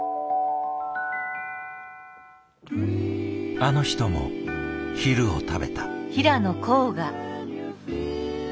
あの人も昼を食べた。